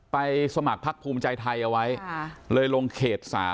สมัครพักภูมิใจไทยเอาไว้เลยลงเขต๓